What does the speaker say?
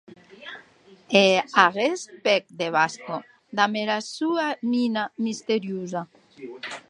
E aguest pèc de Vasco, damb era sua mina misteriosa!